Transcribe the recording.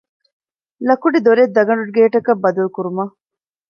ލަކުޑިދޮރެއް ދަގަނޑުގޭޓަކަށް ބަދަލުކުރުމަށް